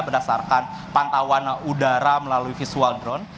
berdasarkan pantauan udara melalui visual drone